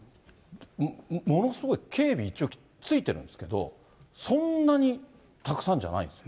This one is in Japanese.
ものすごい警備が一応ついてるんですけれども、そんなにたくさんじゃないんです。